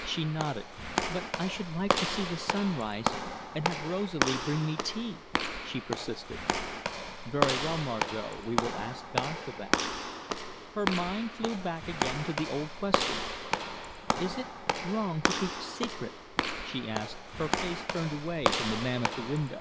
She nodded. "But I should like to see the sunrise and have Rosalie bring me tea," she persisted. "Very well, Margot. We will ask God for that." Her mind flew back again to the old question. "Is it wrong to keep a secret?" she asked, her face turned away from the man at the window.